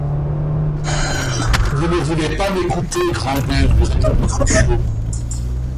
Vous ne voulez pas m’écouter, Grandet, lui répondit Cruchot.